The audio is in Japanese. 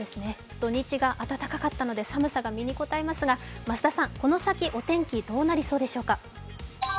土日が暖かかったので寒さが身にこたえますが増田さん、この先、お天気どうなりそうでしょうか。